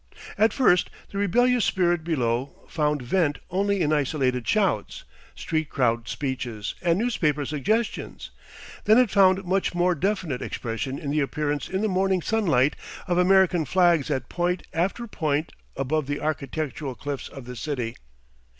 At first the rebellious spirit below found vent only in isolated shouts, street crowd speeches, and newspaper suggestions; then it found much more definite expression in the appearance in the morning sunlight of American flags at point after point above the architectural cliffs of the city.